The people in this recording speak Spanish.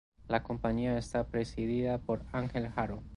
La compañía está presidida por Ángel Haro.